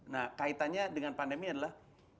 nah kaitannya dengan pandemi adalah